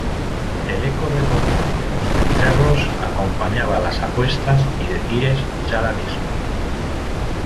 el eco retozón de los cencerros acompañaba las apuestas y decires chalanescos